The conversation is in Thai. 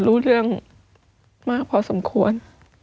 รู้เรื่องมากพอสมควร